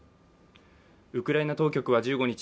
ウクライナ当局は１５日